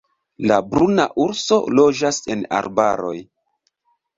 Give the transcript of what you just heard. La bruna urso loĝas en arbaroj.